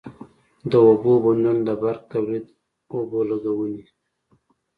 د اوبو بندونه د برق تولید، اوبو لګونی،